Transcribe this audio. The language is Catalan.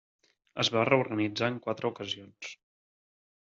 Es va reorganitzar en quatre ocasions.